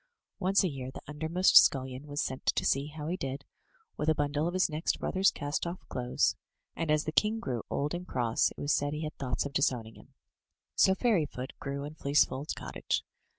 Once a year the undermost scullion was sent to see how he did, with a bundle of his next brother^s cast off clothes; and, as the king grew old and cross, it was said he had thoughts of disowning him. So Fairyfoot grew in Fleecefold's cottage.